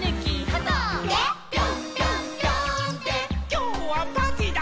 「きょうはパーティーだ！」